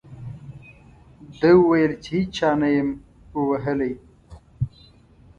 ده وویل چې هېچا نه یم ووهلی.